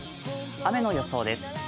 雨の予想です。